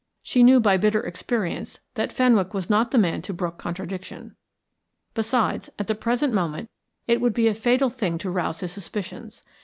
She knew by bitter experience that Fenwick was not the man to brook contradiction. Besides, at the present moment it would be a fatal thing to rouse his suspicions.